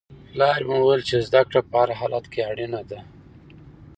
پلار مې وویل چې زده کړه په هر حالت کې اړینه ده.